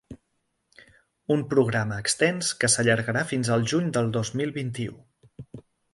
Un programa extens que s’allargarà fins al juny del dos mil vint-i-u.